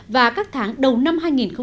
và các tháng đầu năm hai nghìn một mươi chín